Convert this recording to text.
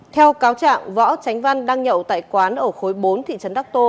theo cáo trạng võ tránh văn đang nhậu tại quán ở khối bốn thị trấn đắc tô